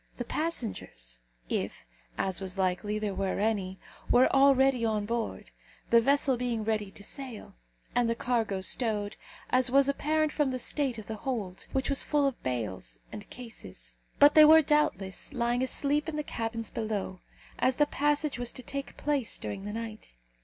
The passengers, if, as was likely, there were any, were already on board, the vessel being ready to sail, and the cargo stowed, as was apparent from the state of the hold, which was full of bales and cases. But they were, doubtless, lying asleep in the cabins below, as the passage was to take place during the night.